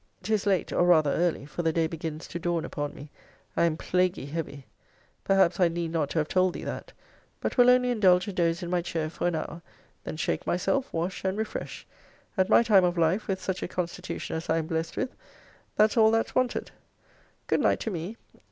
'Tis late, or rather early; for the day begins to dawn upon me. I am plaguy heavy. Perhaps I need not to have told thee that. But will only indulge a doze in my chair for an hour; then shake myself, wash and refresh. At my time of life, with such a constitution as I am blessed with, that's all that's wanted. Good night to me!